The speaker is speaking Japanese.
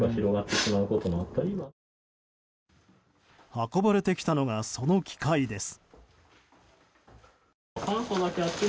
運ばれてきたのがその機械です。